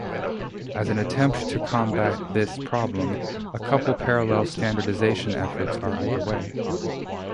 As an attempt to combat this problem, a couple parallel standardization efforts are underway.